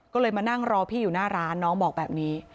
ก็เลยมานั่งรอพี่อยู่หน้าร้านน้องบอกแบบนี้